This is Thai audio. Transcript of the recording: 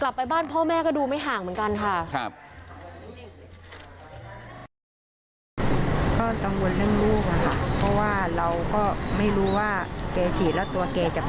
กลับไปบ้านพ่อแม่ก็ดูไม่ห่างเหมือนกันค่ะ